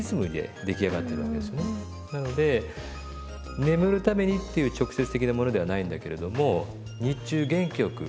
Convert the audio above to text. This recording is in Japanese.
なので眠るためにっていう直接的なものではないんだけれども日中元気よく。